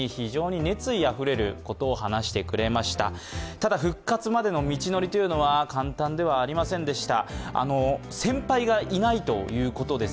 ただ復活までの道のりは簡単ではありませんでした。